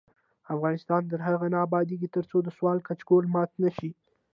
افغانستان تر هغو نه ابادیږي، ترڅو د سوال کچکول مات نشي.